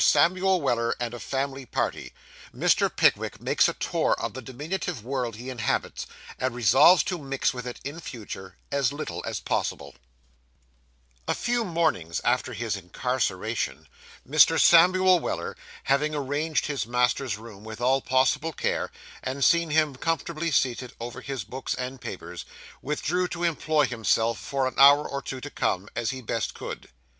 SAMUEL WELLER AND A FAMILY PARTY. MR. PICKWICK MAKES A TOUR OF THE DIMINUTIVE WORLD HE INHABITS, AND RESOLVES TO MIX WITH IT, IN FUTURE, AS LITTLE AS POSSIBLE A few mornings after his incarceration, Mr. Samuel Weller, having arranged his master's room with all possible care, and seen him comfortably seated over his books and papers, withdrew to employ himself for an hour or two to come, as he best could.